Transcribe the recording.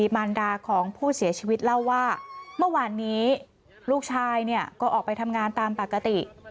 มารดาของผู้เสียชีวิตเล่าว่าเมื่อวานนี้ลูกชายเนี่ยก็ออกไปทำงานตามปกติ